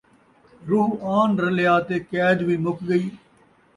روح آن رلیا تے قید وی مُک ڳئی